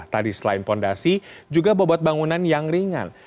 tadi selain fondasi juga bobot bangunan yang ringan